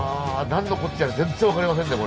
何のこっちゃか全然分かりませんね